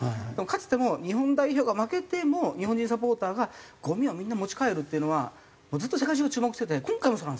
かつても日本代表が負けても日本人サポーターがゴミをみんな持ち帰るっていうのはずっと世界中が注目してて今回もそうなんですよ。